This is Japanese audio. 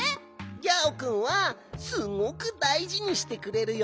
ギャオくんはすごくだいじにしてくれるよ。